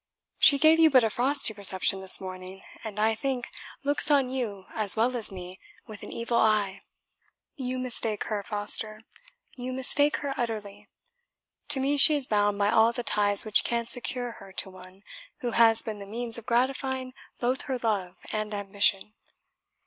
She gave you but a frosty reception this morning, and, I think, looks on you, as well as me, with an evil eye." "You mistake her, Foster you mistake her utterly. To me she is bound by all the ties which can secure her to one who has been the means of gratifying both her love and ambition.